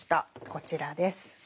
こちらです。